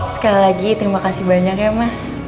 sekali lagi terima kasih banyak ya mas